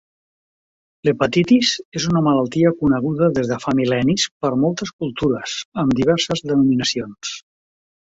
L'hepatitis és una malaltia coneguda des de fa mil·lennis per moltes cultures, amb diverses denominacions.